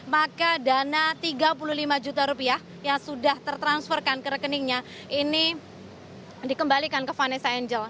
maka dana tiga puluh lima juta rupiah yang sudah tertransferkan ke rekeningnya ini dikembalikan ke vanessa angel